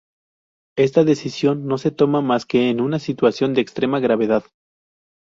Esta decisión no se toma más que en una situación de extrema gravedad.